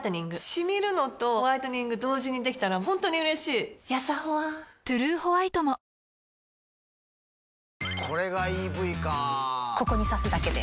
シミるのとホワイトニング同時にできたら本当に嬉しいやさホワ「トゥルーホワイト」も明子さん。